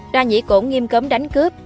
đa nhĩ cổn nghiêm cấm đánh cướp